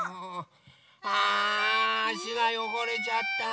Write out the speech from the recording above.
ああしがよごれちゃった。